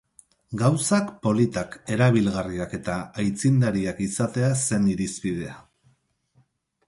Gauzak politak, erabilgarriak eta aitzindariak izatea zen irizpidea.